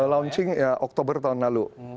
launching ya oktober tahun lalu